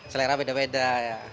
selera beda beda ya